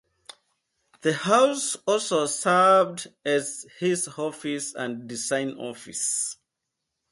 The house also served as his office and design office.